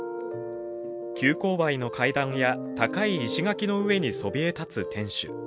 急こう配の階段や高い石垣の上にそびえ立つ天守。